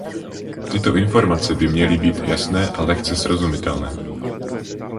Tyto informace by měly být jasné a lehce srozumitelné.